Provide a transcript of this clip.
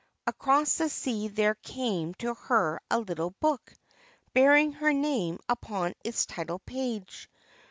Across the sea there came to her a little book, bearing her name upon its title page.